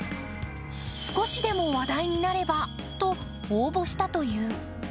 少しでも話題になればと応募したという。